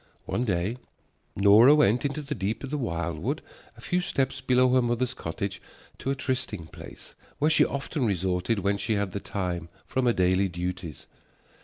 One day Nora went into the deep of the wildwood a few steps below her mother's cottage to a trysting place where she often resorted when she had the time from her daily duties.